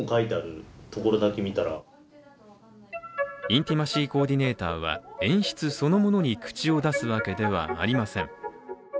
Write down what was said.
インティマシー・コーディネーターは演出そのものに口を出すわけではありません。